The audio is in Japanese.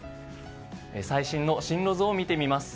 最新の進路図を見てみます。